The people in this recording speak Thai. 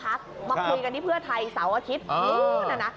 มาคุยกันที่เพื่อไทยเสาร์อาทิตย์